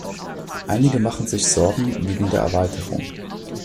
Einige machen sich Sorgen wegen der Erweiterung.